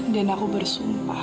dan aku bersumpah